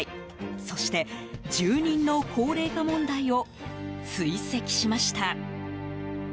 そして住人の高齢化問題を追跡しました。